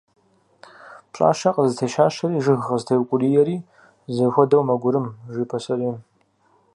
Пщӏащэ къызытещащэри, жыг къызытеукӏуриери зэхуэдэу мэгурым, жи пасэрейм.